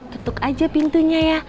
tutup aja pintunya ya